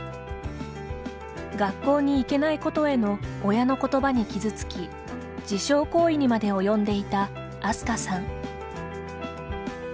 学校に行けないことへの親の言葉に傷つき自傷行為にまで及んでいたアスカさん。